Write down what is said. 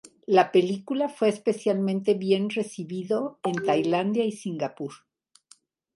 La película fue especialmente bien recibido en Tailandia y Singapur.